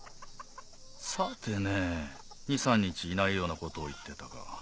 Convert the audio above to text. さてね２３日いないようなことを言ってたが。